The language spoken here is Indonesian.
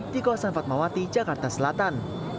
di kawasan fatmawati jakarta selatan